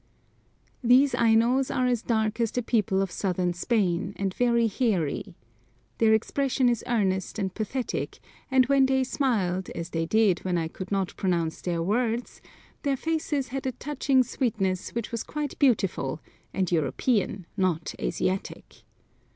These Ainos are as dark as the people of southern Spain, and very hairy. Their expression is earnest and pathetic, and when they smiled, as they did when I could not pronounce their words, their faces had a touching sweetness which was quite beautiful, and European, not Asiatic.